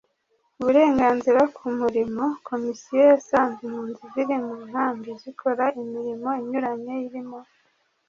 uburenganzira ku murimo komisiyo yasanze impunzi ziri mu nkambi zikora imirimo inyuranye irimo